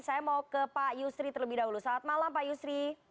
saya mau ke pak yusri terlebih dahulu selamat malam pak yusri